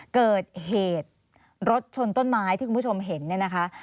เกิดเหตุรถชนต้นไม้ที่คุณผู้ชมเห็นเนี่ยนะคะ